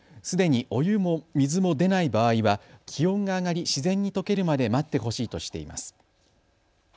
すでにお湯も水も出ない場合は、気温が上がり自然にとけるまで待ってほしいとしています。